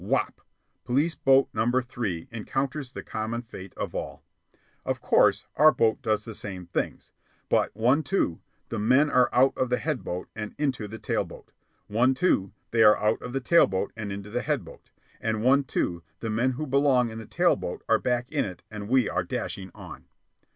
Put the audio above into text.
Whop! Police boat number three encounters the common fate of all. Of course our boat does the same things; but one, two, the men are out of the head boat and into the tail boat; one, two, they are out of the tail boat and into the head boat; and one, two, the men who belong in the tail boat are back in it and we are dashing on.